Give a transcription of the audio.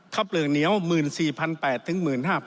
ข้าวเปลือกเหนียว๑๔๘๐๐ถึง๑๕๘๐๐